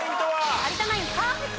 有田ナインパーフェクト！